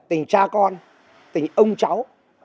tình cha con tình ông cháu